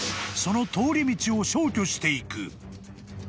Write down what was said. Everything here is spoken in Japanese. その通り道を消去していく］